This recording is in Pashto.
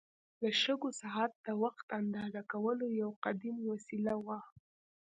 د شګو ساعت د وخت اندازه کولو یو قدیم وسیله وه.